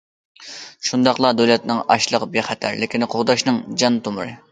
شۇنداقلار دۆلەتنىڭ ئاشلىق بىخەتەرلىكىنى قوغداشنىڭ جان تومۇرى.